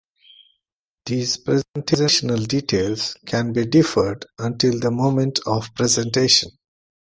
These presentational details can be deferred until the moment of presentation.